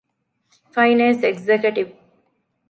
ފައިނޭންސް އެގްޒެކެޓިވް